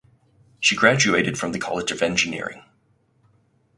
She graduated from the College of Engineering.